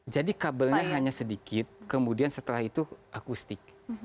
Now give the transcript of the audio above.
jadi kabelnya hanya sedikit kemudian setelah itu akustik